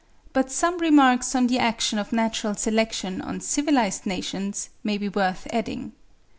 But some remarks on the action of natural selection on civilised nations may be worth adding.